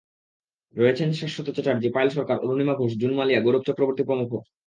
রয়েছেন শাশ্বত চ্যাটার্জি, পায়েল সরকার, অরুণিমা ঘোষ, জুন মালিয়া, গৌরব চক্রবর্তী প্রমুখ।